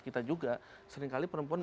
kita juga seringkali perempuan